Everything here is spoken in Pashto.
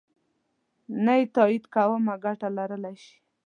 نه یې تایید کومه ګټه لرلای شي.